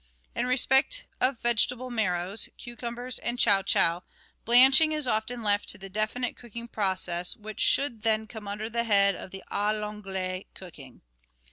In respect of vegetable marrows, cucumbers, and chow chow, blanching is often left to the definite cooking process, which should then come under the head of the "k I'anglaise" cooking.